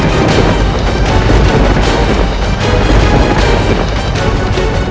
semoga saya tetap disimpai